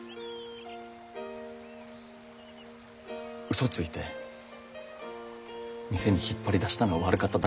ウソついて店に引っ張り出したのは悪かった。